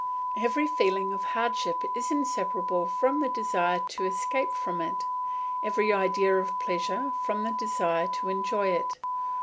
Every feeling of hardship is inseparable from the desire to escape from it; every idea of pleasure from the desire to enjoy it.